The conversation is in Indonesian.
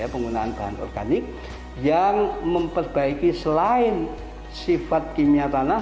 penggunaan bahan organik yang memperbaiki selain sifat kimia tanah